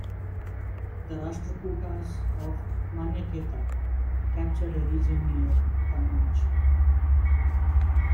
The Rashtrakutas of Manyakheta captured a region near Kannauj.